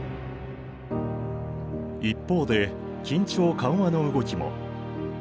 一方で緊張緩和の動きも。